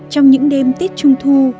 trong những đêm tết trung thu